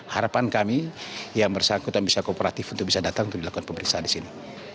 harapan kami yang bersangkutan bisa kooperatif untuk bisa datang untuk dilakukan pemeriksaan di sini